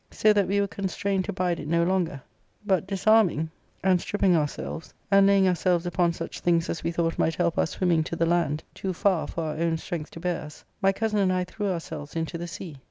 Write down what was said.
So that we were constrained to bide it no longer, but disarming and stripping ARCADIA.Sook IL 221 ourselves, and laying ourselves upon such things as we thought might help our swimming to the land — too far for our own strength to bear us — my cousin and I threw ourselves ^ into the sea.